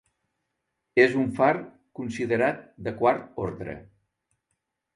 És un far considerat de quart ordre.